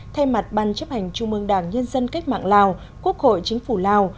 thay mặt bàn chấp hành chung mương đảng nhân dân cách mạng lào quốc hội chính phủ lào